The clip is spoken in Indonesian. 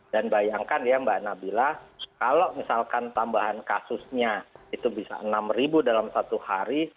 dan bayangkan ya mbak nabila kalau misalkan tambahan kasusnya itu bisa enam ribu dalam satu hari